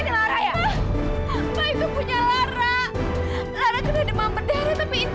di dalam mbak